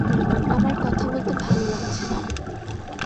আমার কথা বলতে ভালো লাগছে না।